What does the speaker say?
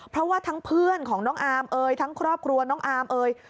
เพราะว่าทั้งเพื่อนของน้องอาร์มเอยทั้งครอบครัวน้องอาร์มเอ่ย